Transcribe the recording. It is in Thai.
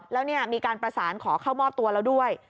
แล้วมีการประสานขอเข้ามอบตัวแล้วด้วย